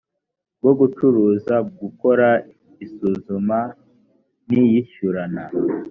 rwo gucuruza gukora isuzuma n iyishyurana